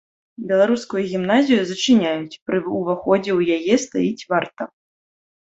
Беларускую гімназію зачыняюць, пры ўваходзе ў яе стаіць варта.